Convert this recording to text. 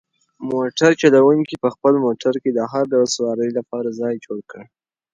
موټر چلونکي په خپل موټر کې د هر ډول سوارلۍ لپاره ځای جوړ کړ.